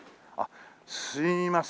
すいません。